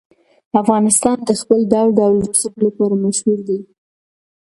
افغانستان د خپل ډول ډول رسوب لپاره مشهور دی.